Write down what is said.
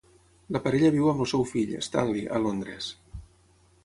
La parella viu amb el seu fill, Stanley, a Londres.